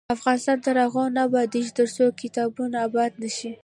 افغانستان تر هغو نه ابادیږي، ترڅو کتابتونونه اباد نشي.